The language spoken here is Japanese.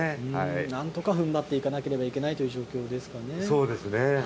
なんとか踏ん張っていかなければいけないという状況ですかね。